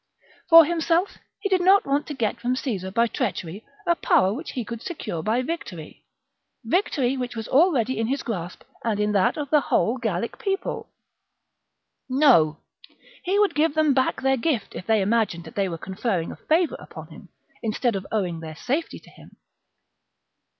For himself, he did not want to get from Caesar by treachery a power which he could secure by victory, — victory which was already in his grasp and in that of the whole VII OF VERCINGETORIX 221 Gallic people. No ! he would give them back their 52 b.c. gift if they imagined that they were conferring a favour upon him instead of owing their safety to him.